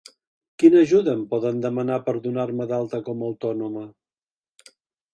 Quina ajuda em poden demanar per donar-me d'alta com a autònoma?